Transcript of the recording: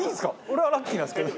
俺はラッキーなんですけど。